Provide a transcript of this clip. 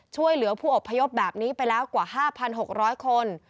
ช่วยเหลือผู้อบพยพแบบนี้ไปแล้วกว่า๕๖๐๐คน